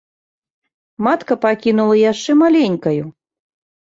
Матка пакінула яшчэ маленькаю.